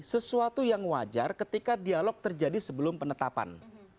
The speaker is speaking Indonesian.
sesuatu yang wajar ketika dialog terjadi sebelum penetapan